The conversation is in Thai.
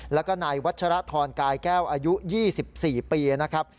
แล้วก็นายวัชรทรกายแก้วอายุ๒๔ปีนะครับ